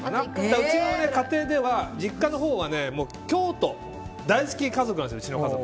だからうちの家庭では実家のほうが京都大好き家族なんです。